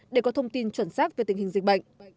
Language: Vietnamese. để có thông tin chuẩn xác về tình hình dịch bệnh